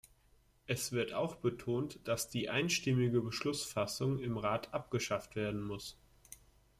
Es wird auch betont, dass die einstimmige Beschlussfassung im Rat abgeschafft werden muss.